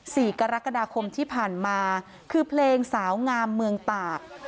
สี่กรกฎาคมที่ผ่านมาคือเพลงสาวงามเมืองตาก